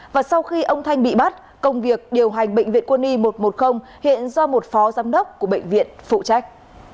và sau khi ông thanh bị bắt công việc điều hành bệnh viện quân y một trăm một mươi hiện do một phó giám đốc của bệnh viện phụ trách